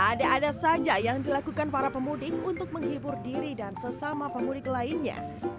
ada ada saja yang dilakukan para pemudik untuk menghibur diri dan sesama pemudik lainnya